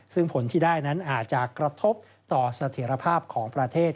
ซึ่งผลที่ได้นั้นอาจจะกระทบต่อเสถียรภาพของประเทศ